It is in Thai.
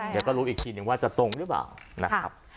เดี๋ยวก็รู้อีกทีนึงว่าจะตรงหรือเปล่านะครับ